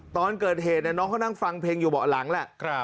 ตอนเกิดเหตุน้องเขานั่งฟังเพลงอยู่เบาะหลังแหละ